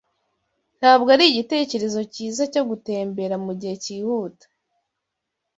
Ntabwo ari igitekerezo cyiza cyo gutembera mugihe cyihuta